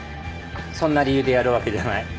そんな理由でやるわけじゃない。